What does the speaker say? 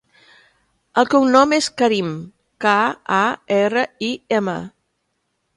El cognom és Karim: ca, a, erra, i, ema.